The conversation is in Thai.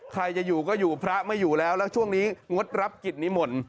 ใครจะอยู่ก็อยู่พระไม่อยู่แล้วแล้วช่วงนี้งดรับกิจนิมนต์